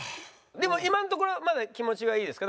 でも今のところまだ気持ちがいいですか？